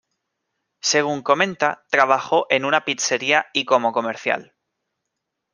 Según comenta, trabajó en una pizzería y como comercial.